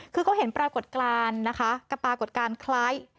คือเขาเห็นปรากฏการณ์นะคะกับปรากฏการณ์คล้าย